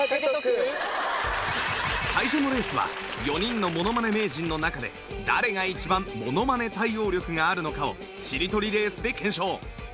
最初のレースは４人のものまね名人の中で誰が一番ものまね対応力があるのかをしりとりレースで検証